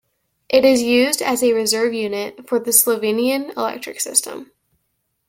It is used as a reserve unit for the Slovenian electric system.